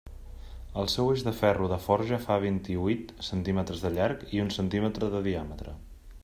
El seu eix de ferro de forja fa vint-i-huit centímetres de llarg i un centímetre de diàmetre.